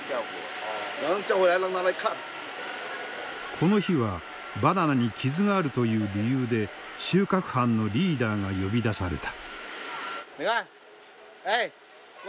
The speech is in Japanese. この日はバナナに傷があるという理由で収穫班のリーダーが呼び出された。